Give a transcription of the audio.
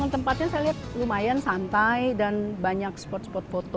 tempatnya saya lihat lumayan santai dan banyak spot spot foto